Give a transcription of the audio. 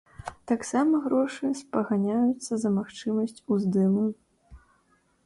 Таксама грошы спаганяюцца за магчымасць уздыму.